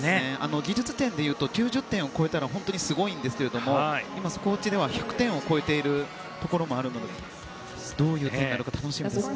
技術点でいうと９０点を超えたらすごいんですが今、速報値では１００点を超えているところもあるのでどういうふうになるか楽しみですね。